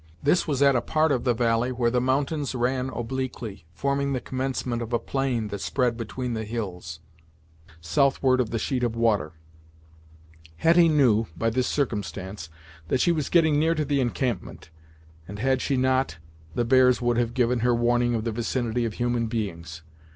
This was at a part of the valley where the mountains ran obliquely, forming the commencement of a plain that spread between the hills, southward of the sheet of water. Hetty knew, by this circumstance, that she was getting near to the encampment, and had she not, the bears would have given her warning of the vicinity of human beings.